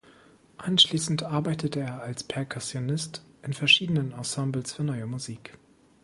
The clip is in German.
Anschließend arbeitete er als Perkussionist in verschiedenen Ensembles für Neue Musik.